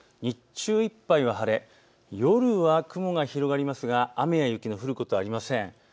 日中いっぱいは晴れ、夜は雲が広がりますが雨や雪が降ることはありません。